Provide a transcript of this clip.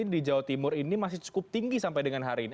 di jawa timur ini masih cukup tinggi sampai dengan hari ini